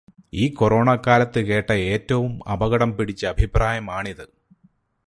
ഈ കൊറോണകാലത്ത് കേട്ട ഏറ്റവും അപകടം പിടിച്ച അഭിപ്രായം ആണിത്.